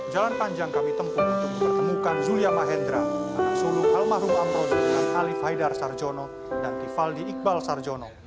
jalan panjang kami tempuh untuk mempertemukan zulia mahendra anak sulung almarhum amrozi dan alif haidar sarjono dan rivaldi iqbal sarjono